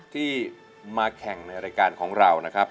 ที่มาแข่งในรายการของเรานะครับ